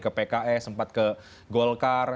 ke pks sempat ke golkar